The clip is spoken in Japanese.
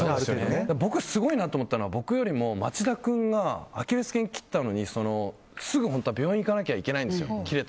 僕はすごいなと思ったのが僕よりも町田君がアキレス腱切ったのに本当はすぐ病院に行かないといけないんですよ。